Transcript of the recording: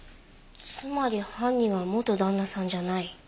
つまり犯人は元旦那さんじゃない。